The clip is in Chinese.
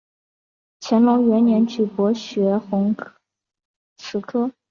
乾隆元年举博学鸿词科。